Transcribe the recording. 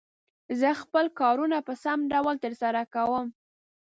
زه خپل کارونه په سم ډول تر سره کووم.